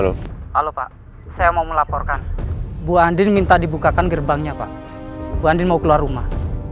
halo pak saya mau melaporkan bu andin minta dibukakan gerbangnya pak bu andin mau keluar rumah